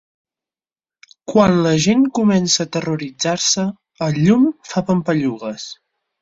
Quan la gent comença a terroritzar-se, el llum fa pampallugues.